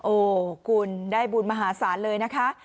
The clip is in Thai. โอ้คุณได้บุญมหาศาลเลยนะคะ